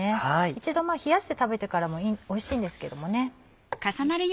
一度冷やして食べてからもおいしいんですけどもね。